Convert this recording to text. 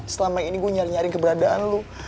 selama ini gue nyari nyari keberadaan lu